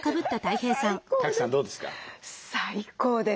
最高です。